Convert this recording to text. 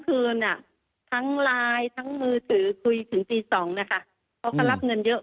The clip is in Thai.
คืนอ่ะทั้งไลน์ทั้งมือถือคุยถึงตีสองนะคะเขาก็รับเงินเยอะ